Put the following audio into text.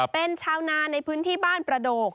เป็นชาวนาในพื้นที่บ้านประโดก